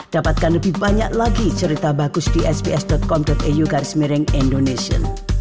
dapatkan lebih banyak lagi cerita bagus di sps com eu garis miring indonesia